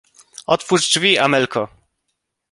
"otwórz drzwi, Amelko!"